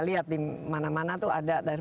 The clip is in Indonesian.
lihat dimana mana itu ada dari